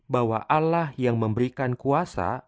bahwa allah yang memberikan kuasa